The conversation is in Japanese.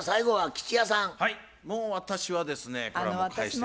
もう私はですねこれは。